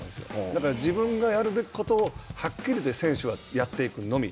だから、自分がやるべきことをはっきりと選手はやっていくのみ。